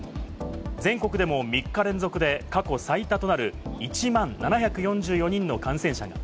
全国でも３日連続で過去最多となる１万７４４人の感染者が。